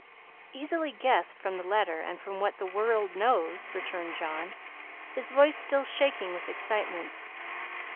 "Easily guessed, from the letter, and from what the world knows," returned John, his voice still shaking with excitement.